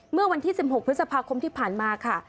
เมื่อวันที่๑๖พฤษภาคมที่ผ่านมาค่ะ